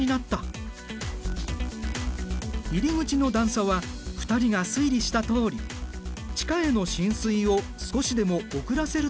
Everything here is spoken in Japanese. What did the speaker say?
入り口の段差は２人が推理したとおり地下への浸水を少しでも遅らせるためのもの。